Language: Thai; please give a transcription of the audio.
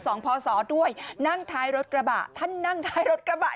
สองทสรด้วยนั่งทรถกระบาท่านนั่งทรถกระบา